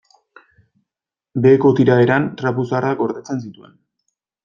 Beheko tiraderan trapu zaharrak gordetzen zituen.